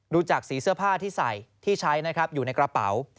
จากสีเสื้อผ้าที่ใส่ที่ใช้นะครับอยู่ในกระเป๋า